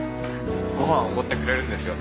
ごはんおごってくれるんですよね。